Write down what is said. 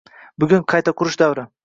Bugun — qayta qurish davrida...